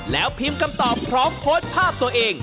แล้วพิมพ์คำตอบพร้อมโพสต์ภาพตัวเอง